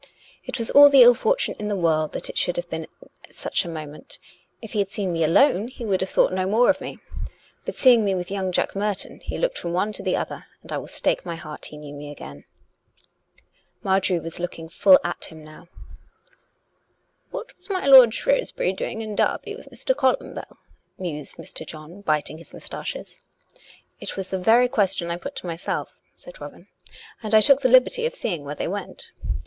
It was all the ill for tune in the world that it should be at such moment; if he had seen me alone he would have thought no more of me; but seeing me with young Jack Merton, he looked from one to the other. And I will stake my hat he knew me again." Marjorie was looking full at him now. " What was my lord Shrewsbury doing in Derby with Mr. Columbell? " mused Mr. John, biting his moustaches. " It was the very question I put to myself," said Robin. " And I took the liberty of seeing where they went.